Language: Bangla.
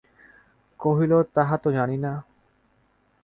কহিল, তাহা তো জানি না।